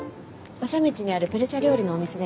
馬車道にあるペルシャ料理のお店です。